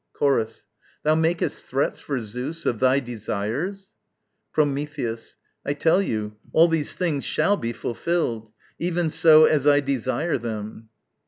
Chorus. Thou makest threats for Zeus of thy desires. Prometheus. I tell you, all these things shall be fulfilled. Even so as I desire them.